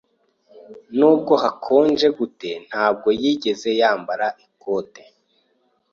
Nubwo hakonje gute, ntabwo yigeze yambara ikote.